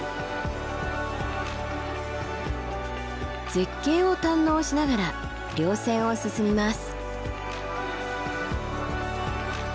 絶景を堪能しながら稜線を進みます。